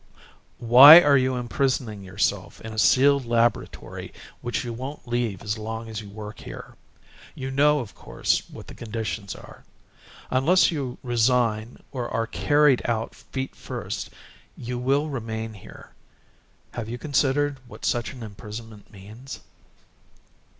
"Why are you imprisoning yourself in a sealed laboratory which you won't leave as long as you work here. You know, of course, what the conditions are. Unless you resign or are carried out feet first you will remain here ... have you considered what such an imprisonment means?"